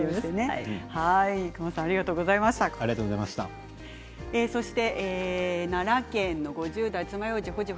伊熊さんありがとうございました。